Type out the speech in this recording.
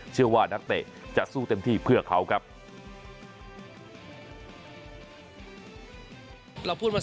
เชื่อว่านักเตะจะสู้เต็มที่เพื่อเขาครับ